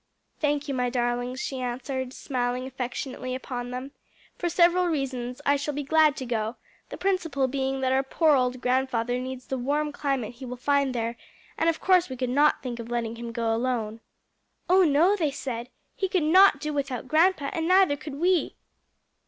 "Thank you, my darlings," she answered, smiling affectionately upon them; "for several reasons I shall be glad to go, the principal being that our poor old grandfather needs the warm climate he will find there; and of course we could not think of letting him go alone." "Oh no!" they said; "he could not do without grandpa, and neither could we."